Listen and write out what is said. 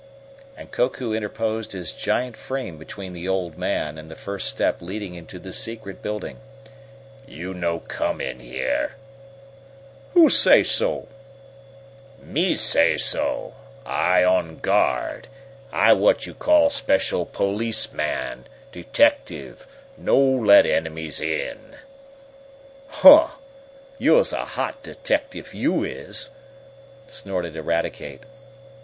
and Koku interposed his giant frame between the old man and the first step leading into the secret building. "You no come in here." "Who say so?" "Me I say so! I on guard. I what you call special policeman detectiff no let enemies in!" "Huh! You's a hot deteckertiff, yo' is!" snorted Eradicate.